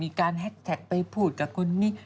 มีการแฮคแทกไปพูดกับคุณนี่